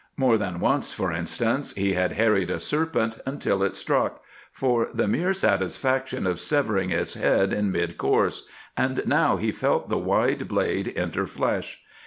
More than once, for instance, he had harried a serpent until it struck, for the mere satisfaction of severing its head in midcourse, and now he felt the wide blade enter flesh.